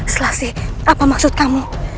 selasi apa maksud kamu